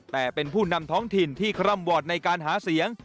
แต่เป็นผู้นำท้องถิ่นที่คร่ำวอร์ดในการหาเสียง